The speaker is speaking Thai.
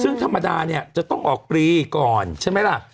ซึ่งธรรมดาเนี่ยจะต้องออกปรีก่อนใช่ไหมล่ะ